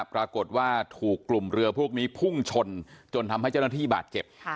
ปรากฏว่าถูกกลุ่มเรือพวกนี้พุ่งชนจนทำให้เจ้าหน้าที่บาดเจ็บ